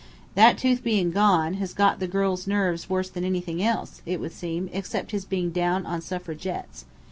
That tooth bein' gone, has got on the girls' nerves worse than anything else, it would seem, except his being down on Suffragettes.